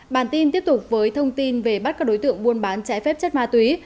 bản tin tiếp tục với thông tin về bắt các đối tượng buôn bán trái phép chất ma túy